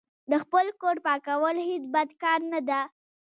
د خپل کور پاکول هیڅ بد کار نه ده.